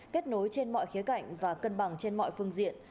kết nối trên mọi khía cạnh và cân bằng trên mọi phương diện